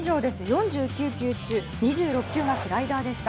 ４９球中２６球がスライダーでした。